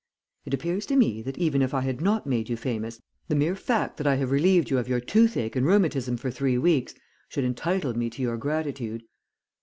It appears to me that even if I had not made you famous, the mere fact that I have relieved you of your toothache and rheumatism for three weeks should entitle me to your gratitude.